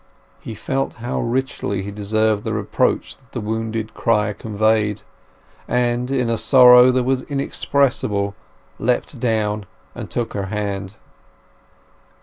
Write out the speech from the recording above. He felt how richly he deserved the reproach that the wounded cry conveyed, and, in a sorrow that was inexpressible, leapt down and took her hand.